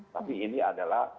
tapi ini adalah